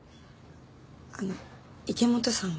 あの池本さんは？